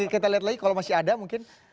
kita lihat lagi kalau masih ada mungkin